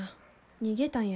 逃げたんや。